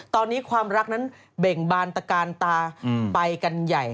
ตอนนี้ความรักนั้นเบ่งบานตะกานตาไปกันใหญ่